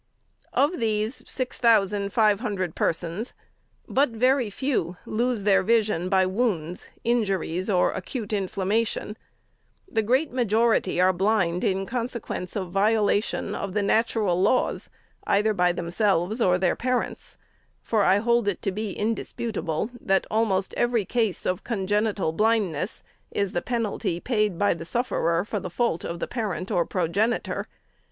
Of these six thousand five hundred persons, but very few lose their vision by wounds, injuries, or acute inflammation : the great majority are blind in consequence of violation of the natural laws, either by themselves or their parents ; for I hold it to be indisputable, that almost every case of congenital blindness is the penalty paid by the sufferer for the fault of the parent or progenitor.